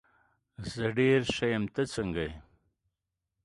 زه ډېر ښه یم، ته څنګه یې؟